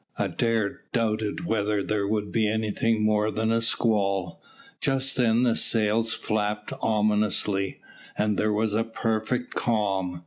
Adair doubted whether there would be anything more than a squall. Just then the sails flapped ominously, and there was a perfect calm.